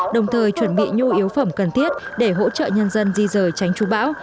đồng thời chuẩn bị nhu yếu phẩm cần thiết để hỗ trợ nhân dân di rời tránh chú bão